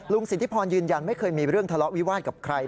สิทธิพรยืนยันไม่เคยมีเรื่องทะเลาะวิวาสกับใคร